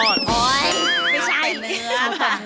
ไม่ใช่เนื้อค่ะ